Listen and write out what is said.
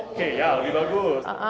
oke ya lebih bagus